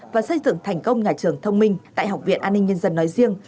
và xây dựng thành công nhà trường thông minh tại học viện an ninh nhân dân nói riêng